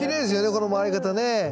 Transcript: この回り方ね。